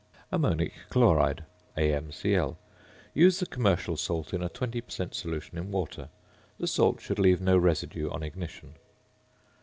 ~Ammonic Chloride~, AmCl. Use the commercial salt in a 20 per cent. solution in water. The salt should leave no residue on ignition.